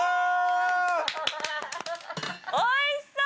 おいしそう！